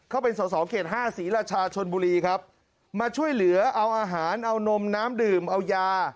เขาเป็นสอสอเขตห้าศรีราชาชนบุรีครับมาช่วยเหลือเอาอาหารเอานมน้ำดื่มเอายา